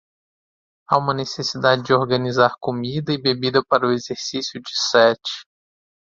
Há uma necessidade de organizar comida e bebida para o exercício de sete.